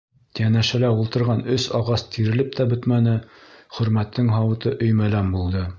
Йәнәшәлә ултырған өс ағас тирелеп тә бөтмәне, Хөрмәттең һауыты өймәләм булды.